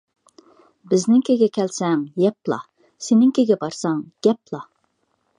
بىزنىڭكىگە كەلسەڭ يەپلا، سېنىڭكىگە بارسام گەپلا.